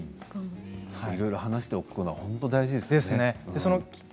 いろいろ話しておくことは本当に大事ですね。